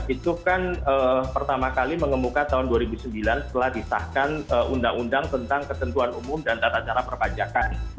itu kan pertama kali mengemuka tahun dua ribu sembilan setelah disahkan undang undang tentang ketentuan umum dan tata cara perpajakan